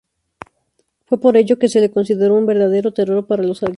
Fue por ello que se le consideró un verdadero terror para los arqueros.